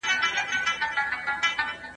دا مهارتونه د لوستلو لپاره اړین دي.